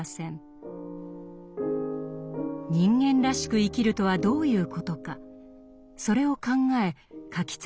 人間らしく生きるとはどういうことかそれを考え書き続け